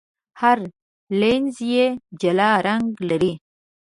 هر لینز یې جلا رنګ لري.